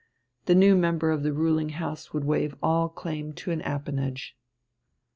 The new member of the ruling House would waive all claim to an appanage.